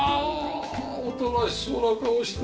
おとなしそうな顔して。